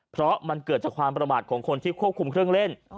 เพราะมันเกิดจากความประมาทของคนที่ควบคุมเครื่องเล่น